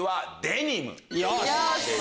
デニム⁉